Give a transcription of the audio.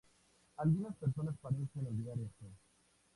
Algunas personas parecen olvidar esto.